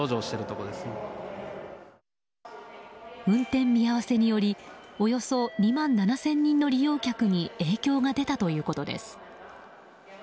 運転見合わせによりおよそ２万７０００人の利用客に影響が出たということです。